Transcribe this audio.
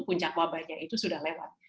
puncak wabahnya itu sudah lewat